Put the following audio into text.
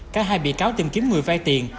cả hai bị cáo tìm kiếm người vay tiền